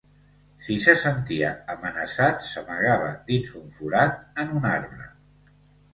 Si se sentia amenaçat, s'amagava dins un forat en un arbre.